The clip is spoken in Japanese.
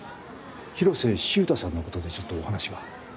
広瀬秀太さんのことでちょっとお話が。